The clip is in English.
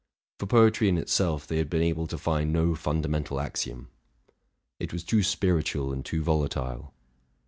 For poetry in itself they had been able to find no funda mental axiom: it was too spiritual and too volatile.